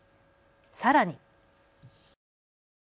さらに。